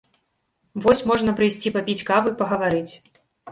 Вось можна прыйсці папіць кавы, пагаварыць.